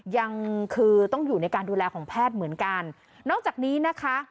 ยังคือต้องอยู่ในการดูแลของแพทย์เหมือนกันนอกจากนี้นะคะ